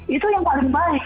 itu yang paling baik